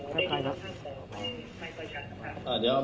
ไม่ได้ยินครับไม่ค่อยชัดครับครับ